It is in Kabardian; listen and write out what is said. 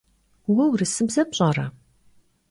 Vue vurısıbze pş'ere?